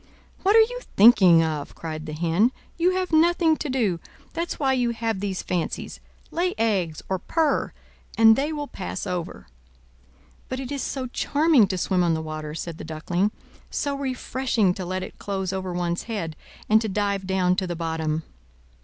"What are you thinking of?" cried the Hen. "You have nothing to do, that's why you have these fancies. Lay eggs, or purr, and they will pass over." "But it is so charming to swim on the water!" said the Duckling, "so refreshing to let it close over one's head, and to dive down to the bottom."